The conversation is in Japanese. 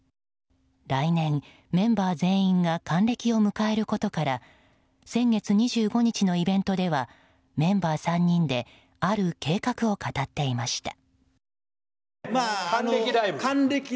来年、メンバー全員が還暦を迎えることから先月２５日のイベントではメンバー３人である計画を語っていました。